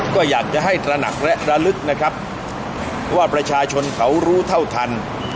ก็อยากจะให้ตระหนักและระลึกนะครับว่าประชาชนเขารู้เท่าทัน